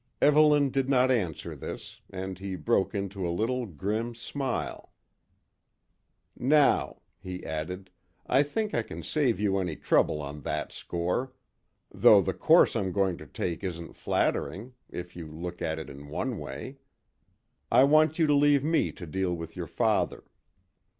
Evelyn did not answer this, and he broke into a little grim smile. "Now," he added, "I think I can save you any trouble on that score though the course I'm going to take isn't flattering, if you look at it in one way. I want you to leave me to deal with your father."